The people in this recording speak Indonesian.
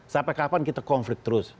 sampai kapan kita konflik terus